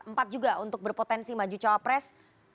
empat juga untuk berpotensi maju cawapres